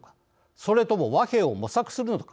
それとも和平を模索するのか。